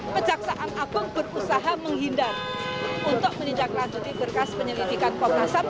pejaksaan abu berusaha menghindar untuk meninjak lanjuti berkas penyelidikan popnasan